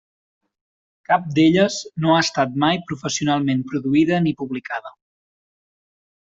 Cap d'elles no ha estat mai professionalment produïda ni publicada.